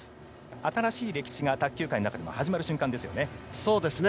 新しい歴史が卓球界の中でも始まる瞬間ですね。